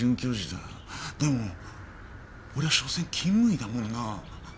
でも俺はしょせん勤務医だもんな。